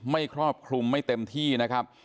ครอบคลุมไม่เต็มที่นะครับ